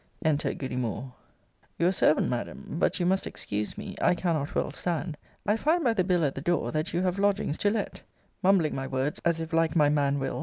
ENTER GOODY MOORE. Your servant, Madam but you must excuse me; I cannot well stand I find by the bill at the door, that you have lodgings to let [mumbling my words as if, like my man Will.